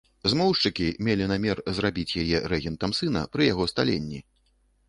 Змоўшчыкі мелі намер зрабіць яе рэгентам сына пры яго сталенні.